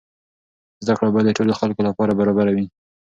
زده کړه باید د ټولو خلکو لپاره برابره وي.